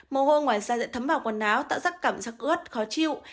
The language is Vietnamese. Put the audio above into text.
mồ hôi ngoài da sẽ thấm vào quần áo tạo ra cảm giác ướt khó chịu